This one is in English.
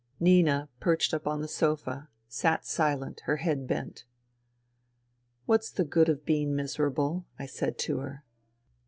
Nina, perched up on the sofa, sat silent, her head bent. " What's the good of being miserable ?'* I said to her.